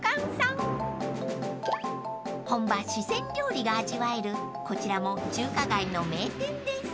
［本場四川料理が味わえるこちらも中華街の名店です］